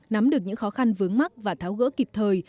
nắm được những khó khăn vướng mắt và tháo gỡ kịp thời